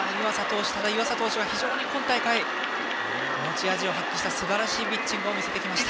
湯浅投手は非常に今大会持ち味を発揮したすばらしいピッチングを見せてきました。